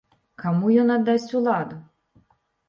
Каму ён аддасць уладу?